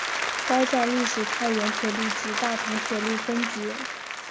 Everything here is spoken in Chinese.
该站隶属太原铁路局大同铁路分局。